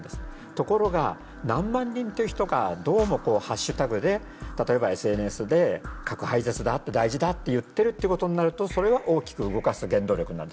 ところが何万人という人がどうもハッシュタグで例えばＳＮＳで核廃絶だって大事だって言ってるってことになるとそれは大きく動かす原動力になるんですね。